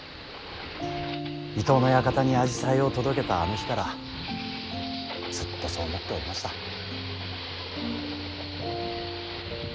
伊東の館にアジサイを届けたあの日からずっとそう思っておりました。